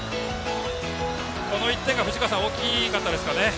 この１点が大きかったですかね。